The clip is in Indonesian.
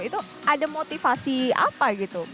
itu ada motivasi apa gitu